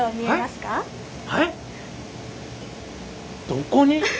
どこに？